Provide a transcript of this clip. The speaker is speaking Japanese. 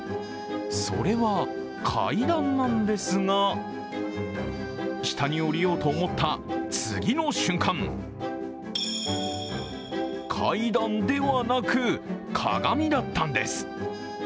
それは階段なんですが下に降りようと思った、次の瞬間、階段ではなく、鏡だったんです。